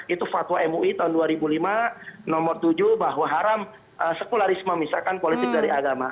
itu fatwa mui tahun dua ribu lima nomor tujuh bahwa haram sekularisme misalkan politik dari agama